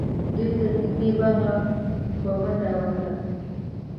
دوی تر نږدې باغه په منډه ول